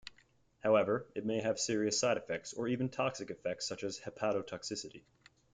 However, it may have serious side effects or even toxic effects such as hepatotoxicity.